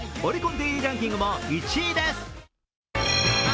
デイリーランキングも１位です。